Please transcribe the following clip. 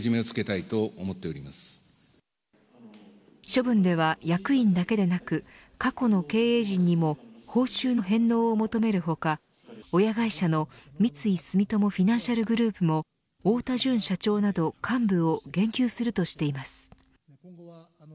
処分では、役員だけでなく過去の経営陣にも報酬の返納を求める他親会社の三井住友フィナンシャルグループも太田純社長など幹部を減給するとしています。